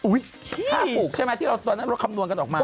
ถ้าปลูกใช่ไหมที่เราตอนนั้นเราคำนวณกันออกมา